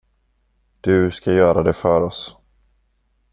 Du ska göra det för oss.